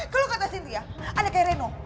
kalo kata sintia ada kayak reno